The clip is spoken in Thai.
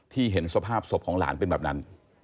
เห็นสภาพศพของหลานเป็นแบบนั้น